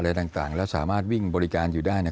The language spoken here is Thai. อะไรต่างแล้วสามารถวิ่งบริการอยู่ได้เนี่ย